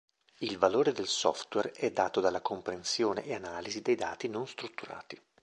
Il valore del software è dato dalla comprensione e analisi dei dati non strutturati.